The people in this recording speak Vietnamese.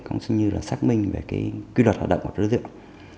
cũng như là xác minh về quy luật hoạt động của đối tượng